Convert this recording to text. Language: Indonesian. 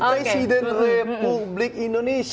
presiden republik indonesia